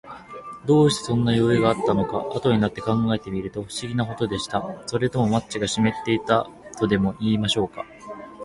どうして、そんなよゆうがあったのか、あとになって考えてみると、ふしぎなほどでした。それともマッチがしめってでもいたのでしょうか。